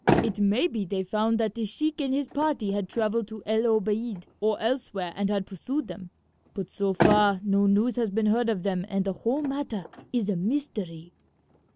It may be they found that this sheik and his party had travelled to El Obeid or elsewhere and had pursued them, but so far no news has been heard of them and the whole matter is a mystery."